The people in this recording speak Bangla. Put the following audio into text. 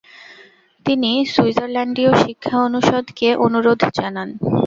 তিনি সুইজারল্যান্ডীয় শিক্ষা অনুষদকে অনুরোধ জানান।